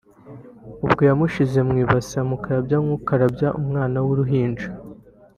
ubwo yamushyize mu ibase akamukarabya nk’ukarabya umwana w’agahinja